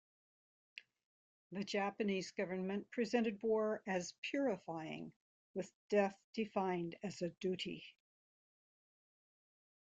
The Japanese government presented war as purifying, with death defined as a duty.